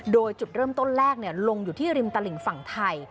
โดยจุดเริ่มต้นแรกลงอยู่ที่ริมตลิ่งฝั่งไทย